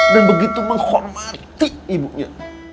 dan begitu menghormati ibunya